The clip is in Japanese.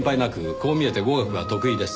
こう見えて語学は得意です。